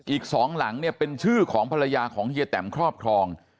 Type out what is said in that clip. อีก๒หลังเนี่ยเป็นชื่อของภรรยาของเฮียแตมครอบครอง